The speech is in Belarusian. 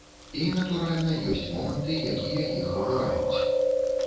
І, натуральна, ёсць моманты, якія іх абураюць.